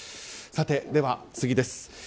さて、では次です。